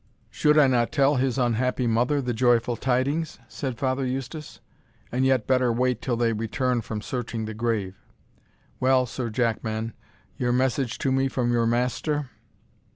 "Should I not tell his unhappy mother the joyful tidings?" said Father Eustace, "and yet better wait till they return from searching the grave. Well, Sir Jackman, your message to me from your master?"